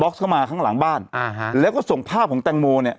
เข้ามาข้างหลังบ้านอ่าฮะแล้วก็ส่งภาพของแตงโมเนี่ย